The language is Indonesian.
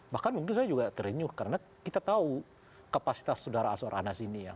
bahkan mungkin saya juga terenyuh karena kita tahu kapasitas saudara azwar anas ini ya